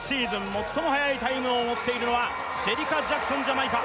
最も速いタイムを持っているのはシェリカ・ジャクソンジャマイカ